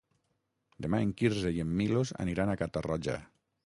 Demà en Quirze i en Milos aniran a Catarroja.